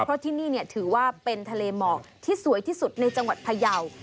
เพราะที่นี่ถือว่าเป็นทะเลหมอกที่สวยที่สุดในจังหวัดพยาว